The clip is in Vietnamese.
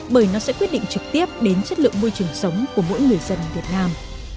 bởi nó sẽ quyết định trực tiếp đến chất lượng môi trường sống của mỗi người dân việt nam